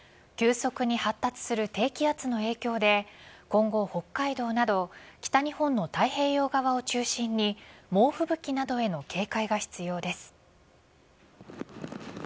急速に発達する低気圧の影響で今後、北海道など北日本の太平洋側を中心に猛吹雪などへの警戒が必要です。